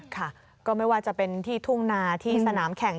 ค่ะก็ไม่ว่าจะเป็นที่ทุ่งนาที่สนามแข่ง